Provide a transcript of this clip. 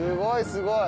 すごい！